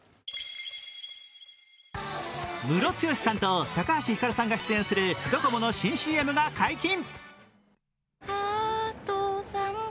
ムロツヨシさんと高橋ひかるさんが出演するｄｏｃｏｍｏの新ＣＭが解禁。